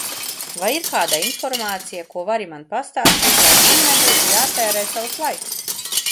Vai ir kāda informācija, ko vari man pastāstīt, lai man nebūtu jātērē savs laiks?